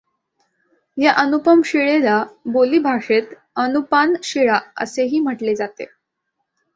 या अनुपम शिळेला बोलीभाषेत अनुपान शिळा असेही म्हटले जाते.